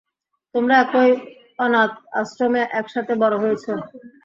তোমরা একই অনাথ আশ্রমে একসাথে বড় হয়েছ।